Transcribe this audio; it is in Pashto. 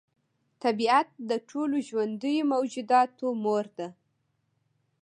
طبیعت د ټولو ژوندیو موجوداتو مور ده.